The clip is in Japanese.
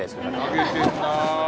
投げてんな。